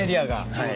はい。